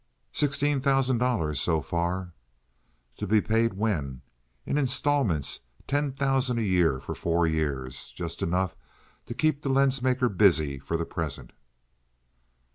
"Sixteen thousand dollars, so far." "To be paid when?" "In instalments—ten thousand a year for four years. Just enough to keep the lens maker busy for the present."